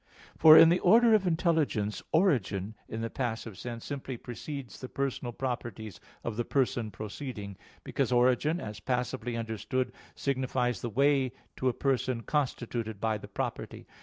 For, in the order of intelligence, origin, in the passive sense, simply precedes the personal properties of the person proceeding; because origin, as passively understood, signifies the way to a person constituted by the property.